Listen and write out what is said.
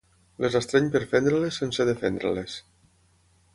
Les estreny per fendre-les sense defendre-les.